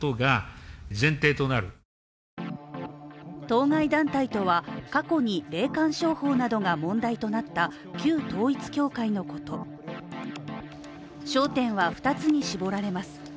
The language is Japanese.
当該団体とは過去に霊感商法などが問題となった旧統一教会のこと焦点は２つに絞られます。